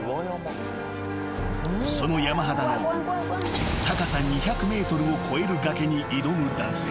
［その山肌の高さ２００ｍを超える崖に挑む男性］